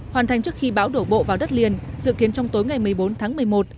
hoàn thành trước khi bão đổ bộ vào đất liền dự kiến trong tối ngày một mươi bốn tháng một mươi một